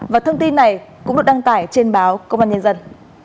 và thông tin này cũng được đăng tải trên báo công an nhân dân